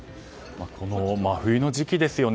真冬の時期ですよね。